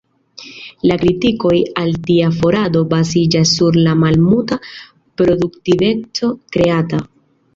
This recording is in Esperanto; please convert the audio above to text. La kritikoj al tia farado baziĝas sur la malmulta produktiveco kreata.